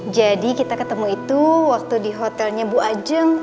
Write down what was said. jadi kita ketemu itu waktu di hotelnya bu ajeng